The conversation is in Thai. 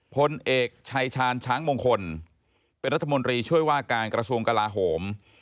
พลเอกชายชาญช้างมงคลเป็นรัฐมนตรีช่วยว่าการกระทรวงกลาโหม